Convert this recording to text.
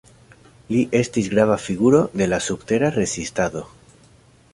Li estis grava figuro de la subtera rezistado.